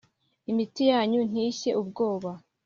Imitima yanyu ntishye ubwoba